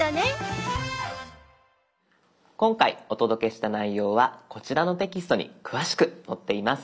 今回お届けした内容はこちらのテキストに詳しく載っています。